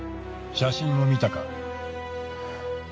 写真を見たか？